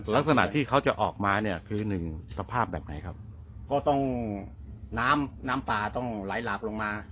ลักษณะที่เขาจะออกมาเนี่ยคือหนึ่งสภาพแบบไหนครับก็ต้องน้ำน้ำปลาต้องไหลหลากลงมา